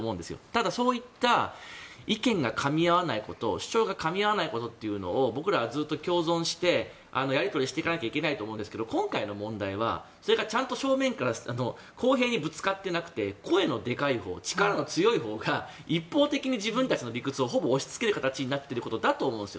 ただ、そういった意見がかみ合わないことを主張がかみ合わないことっていうのを僕らはずっと共存してやり取りしていかなきゃいけないと思うんですが今回の問題はそれがちゃんと正面から公平にぶつかってなくて声のでかいほう、力の強いほうが一方的に自分たちの理屈をほぼ押しつける形になっていることだと思うんです。